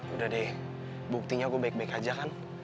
udah deh buktinya aku baik baik aja kan